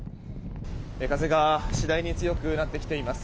風が次第に強くなってきています。